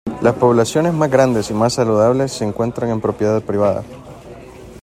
Las poblaciones más grandes y más saludables se encuentran en propiedad privada.